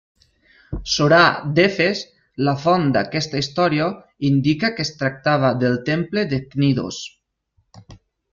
Sorà d'Efes, la font d'aquesta història, indica que es tractava del temple de Cnidos.